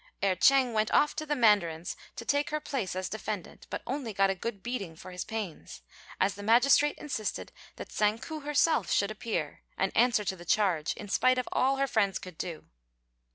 Erh ch'êng went off to the mandarin's to take her place as defendant, but only got a good beating for his pains, as the magistrate insisted that Tsang ku herself should appear, and answer to the charge, in spite of all her friends could do.